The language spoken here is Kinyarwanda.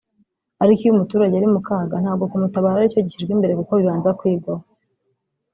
ariko iyo umuturage ari mu kaga ntabwo kumutabara aricyo gishyirwa imbere kuko bibanza kwigwaho